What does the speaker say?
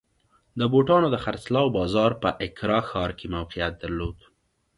د بوټانو د خرڅلاو بازار په اکرا ښار کې موقعیت درلود.